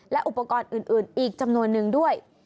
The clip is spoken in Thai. และอุปกรณ์อื่นอีกจำนวนนึงด้วย